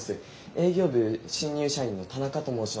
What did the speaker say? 営業部新入社員の田中と申します。